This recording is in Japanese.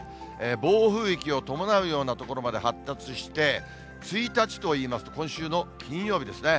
暴風域を伴うようなところまで発達して、１日といいますと、今週の金曜日ですね。